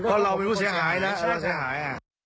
เพราะเรามีรู้สึกเสียหาย